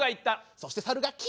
そして猿が「キ！」。